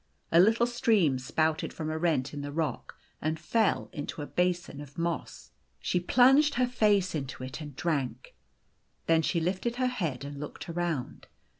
A little stream spouted from a rent in the rock and fell into a basin of moss. She plunged her face into it and drank. Then she lifted her head and looked around.